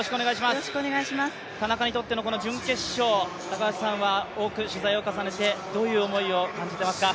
田中にとっての、この準決勝、高橋さんは多く取材を重ねてどういう思いを感じていますか？